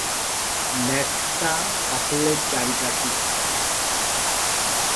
ব্যর্থতা সাফল্যের চাবিকাঠি।